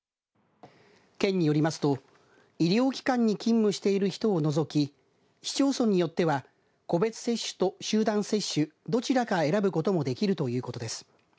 県によりますと医療機関に勤務している人を除き市町村によっては、個別接種と集団接種、どちらか選ぶこともできるということです。